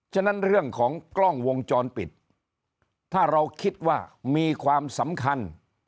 ฉะนั้นเรื่องของกล้องวงจรปิดถ้าเราคิดว่ามีความสำคัญ